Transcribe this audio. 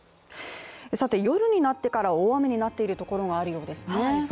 夜になってから大雨になっているところがあるようですね。